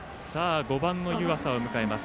５番の湯浅を迎えます。